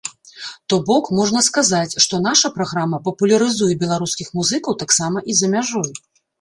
То бок, можна сказаць, што наша праграма папулярызуе беларускіх музыкаў таксама і за мяжой.